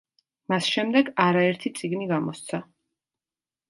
მას შემდეგ არაერთი წიგნი გამოსცა.